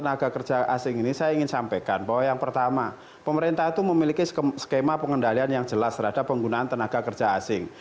tenaga kerja asing ini saya ingin sampaikan bahwa yang pertama pemerintah itu memiliki skema pengendalian yang jelas terhadap penggunaan tenaga kerja asing